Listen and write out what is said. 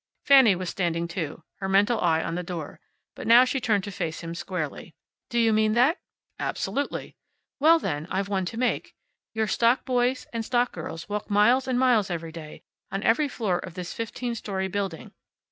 Fanny was standing too, her mental eye on the door. But now she turned to face him squarely. "Do you mean that?" "Absolutely." "Well, then, I've one to make. Your stock boys and stock girls walk miles and miles every day, on every floor of this fifteen story building.